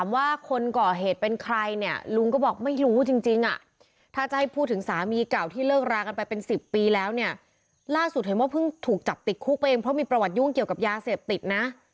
ล่าสุดเห็นว่าเพิ่งถูกจับติดคุกไปเองเพราะมีประวัติยุ่งเกี่ยวกับยาเสพติดนะ